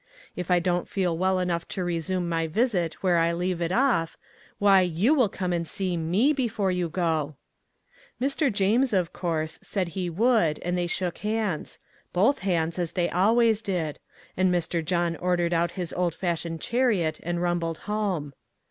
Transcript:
If I don't feel well enough to resume my visit where I leave it off, why you will come and see me before you go.' Mr. James, of course, said he would, and they shook hands—both hands, as they always did—and Mr. John ordered out his old fashioned chariot and rumbled home.